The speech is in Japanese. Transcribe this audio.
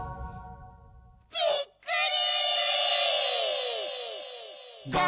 びっくり！